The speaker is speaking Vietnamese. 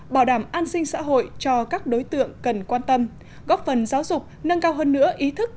bảo đảm an sinh xã hội cho các đối tượng cần quan tâm góp phần giáo dục nâng cao hơn nữa ý thức